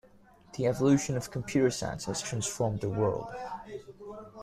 The evolution of computer science has transformed the world.